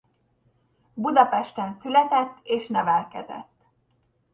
Budapesten született és nevelkedett.